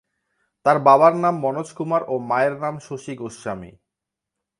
তার বাবার নাম মনোজ কুমার ও মায়ের নাম শশী গোস্বামী।